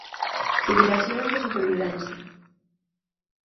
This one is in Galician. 'Xubilacións de supervivencia'.